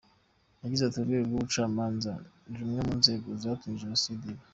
Yagize ati “Urwego rw’ubucamanza ni rumwe mu nzego zatumye Jenoside iba.